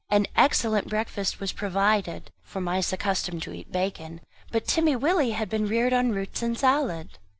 An excellent breakfast was provided for mice accustomed to eat bacon; but Timmy Willie had been reared on roots and salad.